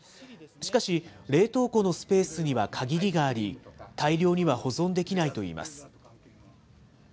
しかし、冷凍庫のスペースには限りがあり、大量には保存できないといいます。